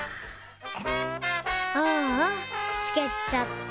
・ああ湿気っちゃった。